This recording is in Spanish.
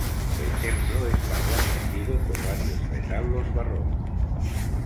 El templo está guarnecido por varios retablos barrocos.